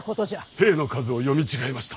兵の数を読み違えました。